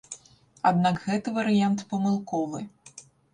Аднак гэты варыянт памылковы.